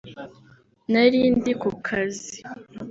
Nari ndi ku kazi